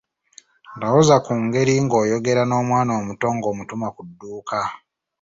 Lowooza ku ngeri ng’oyogera n’omwana omuto ng’omutuma ku dduuka.